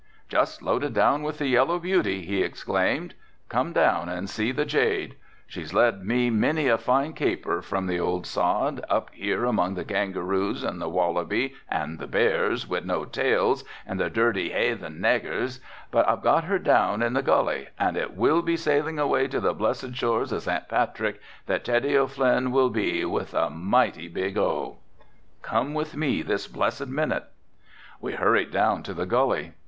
"Just loaded down with the yellow beauty," he exclaimed. "Come down and see the jade. She's led me many a fine caper from the old sod, up here among the kangaroos and the wallaby and the bears wid no tails and the dirty hathen nagers, but I've got her down in the gully, and it will be sailing away to the blessed shores of St. Patrick that Teddy O'Flynn will be, with a mighty big O." "Come with me this blessed minute." We hurried down to the gully.